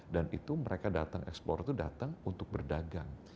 dan itu mereka datang eksplor itu datang untuk berdagang